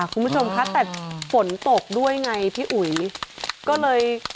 คุณผู้ชมคะแต่ฝนตกด้วยไงพี่อุ๋ยก็เลย